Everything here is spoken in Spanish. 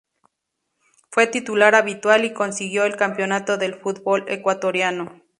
Fue titular habitual y consiguió el campeonato del fútbol ecuatoriano.